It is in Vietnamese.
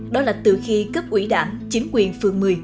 đó là từ khi cấp ủy đảng chính quyền phường một mươi